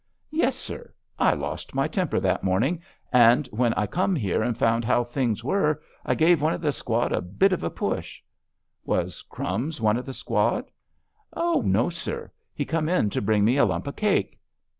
"Yes, sir. I lost my temper that morning, and when I come here and found how things were, I gave one of the squad a bit of a push." "Was 'Crumbs' one of the squad?" "Oh, no, sir; he come in to bring me a lump of cake."